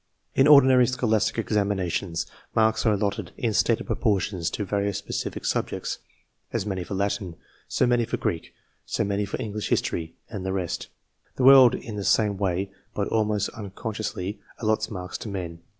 In ordinary scholastic examinations marks are allotted in stated proportions to CLASSIFICATION OF MEN various specified subjects so many for Latin, so many for Greek, so many for English history, and the rest. The world, in the same way, but almost unconsciously, allots marks to men.